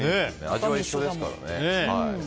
味は一緒ですからね。